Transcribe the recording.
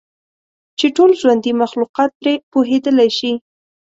چې ټول ژوندي مخلوقات پرې پوهیدلی شي.